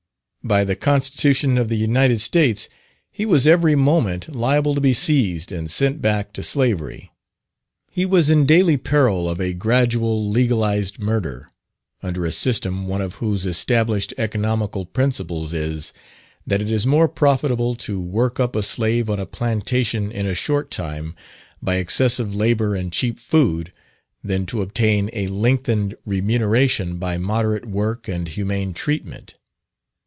By the constitution of the United States, he was every moment liable to be seized and sent back to slavery. He was in daily peril of a gradual legalized murder, under a system one of whose established economical principles is, that it is more profitable to work up a slave on a plantation in a short time, by excessive labour and cheap food, than to obtain a lengthened remuneration by moderate work and humane treatment.